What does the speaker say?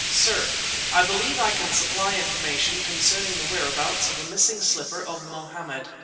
SIR— I believe I can supply information concerning the whereabouts of the missing slipper of Mohammed.